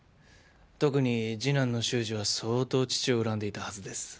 特に次男の修二は相当父を恨んでいたはずです。